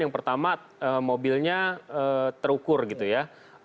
yang pertama mobilnya terukur gitu ya